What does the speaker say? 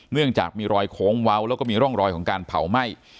เนื่องจากมีรอยโค้งเว้าแล้วก็มีร่องรอยของการเผาไหม้